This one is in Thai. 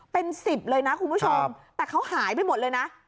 เป็นสิบเลยนะคุณผู้ชมแต่เขาหายไปหมดเลยนะ